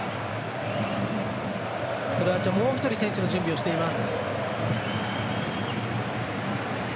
クロアチア、もう一人選手の準備をしています。